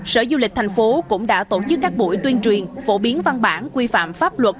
sở du lịch thành phố cũng đã tổ chức các buổi tuyên truyền phổ biến văn bản quy phạm pháp luật